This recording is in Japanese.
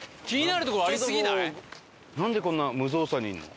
なんでこんな無造作にいるの？